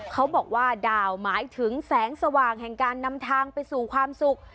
เขาบอกว่าดาวหมายถึงแสงสว่างแห่งการนำทางไปสู่ความสุข